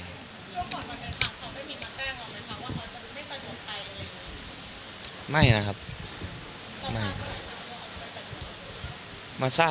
ช่วงก่อนมันก็ถามชาวไม่มีมาแจ้งหรอกมันถามว่าเขาจะไม่ไปยุทธ์ไป